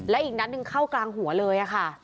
และอีกนัดหนึ่งเข้ากลางหัวเลยค่ะ